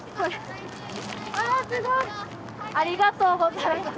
ああすごい！ありがとうございます。